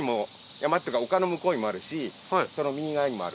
山っていうか丘の向こうにもあるしその右側にもある。